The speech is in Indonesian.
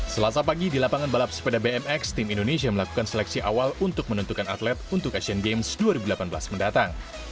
selasa pagi di lapangan balap sepeda bmx tim indonesia melakukan seleksi awal untuk menentukan atlet untuk asian games dua ribu delapan belas mendatang